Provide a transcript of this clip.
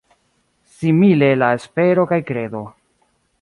Simile la Espero kaj kredo.